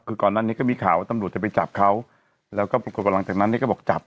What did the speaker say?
คือก่อนนั้นเนี้ยก็มีข่าวว่าตำลูกจะไปจับเขาแล้วก็หลังจากนั้นเนี้ยก็บอกจับ